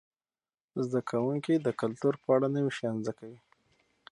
زده کوونکي د کلتور په اړه نوي شیان زده کوي.